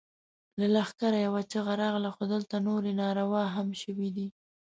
له لښکره يوه چيغه راغله! خو دلته نورې نارواوې هم شوې دي.